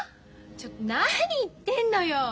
ちょっと何言ってんのよ！